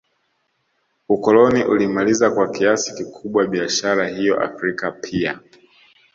Ukoloni ulimaliza kwa kiasi kikubwa biashara hiyo Afrika pia